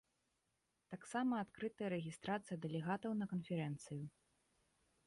Таксама адкрытая рэгістрацыя дэлегатаў на канферэнцыю.